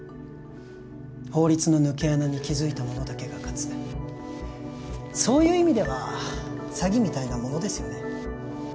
法律の抜け穴に気づいた者だけが勝つそういう意味では詐欺みたいなものですよね